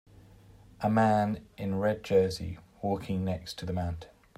A man in red jersey walking next to the mountain.